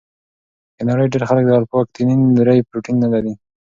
د نړۍ ډېر خلک د الفا اکتینین درې پروټین نه لري.